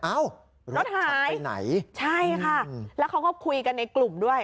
รถหายไปไหนใช่ค่ะแล้วเขาก็คุยกันในกลุ่มด้วย